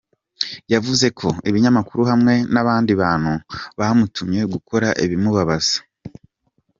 Yavuze ko ibinyamakuru hamwe n’abandi bantu bamutumye gukora ibimubabaza.